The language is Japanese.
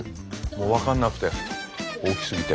もう分かんなくて大きすぎて。